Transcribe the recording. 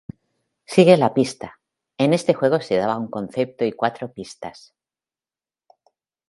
Sigue la pista: en este juego se daba un concepto y cuatro pistas.